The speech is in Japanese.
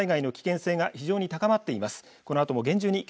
土砂災害の危険性が非常に高まっています。